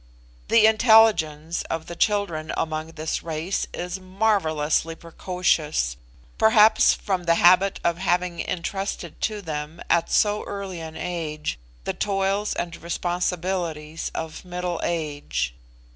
The intelligence of the children among this race is marvellously precocious, perhaps from the habit of having intrusted to them, at so early an age, the toils and responsibilities of middle age.